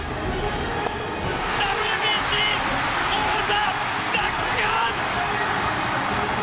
ＷＢＣ王座奪還！